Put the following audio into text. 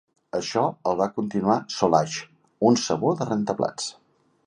Això el va continuar Soilax, un sabó de rentaplats.